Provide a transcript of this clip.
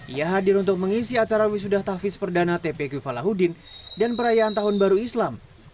ia hadir untuk mengisi acara wisuda tafis perdana tpq falahuddin dan perayaan tahun baru islam